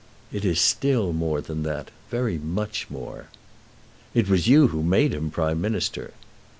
"It is still more than that; very much more." "It was you who made him Prime Minister."